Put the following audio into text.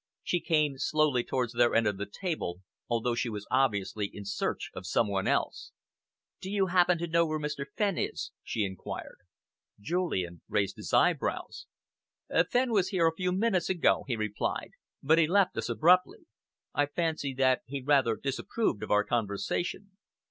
She came slowly towards their end of the table, although she was obviously in search of some one else. "Do you happen to know where Mr. Fenn is?" she enquired. Julian raised his eyebrows. "Fenn was here a few minutes ago," he replied, "but he left us abruptly. I fancy that he rather disapproved of our conversation."